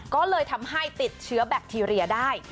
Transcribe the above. ก็เลยทำให้ติดเชื้อแบคทีเรียได้